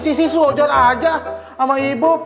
sisi soder aja sama ibu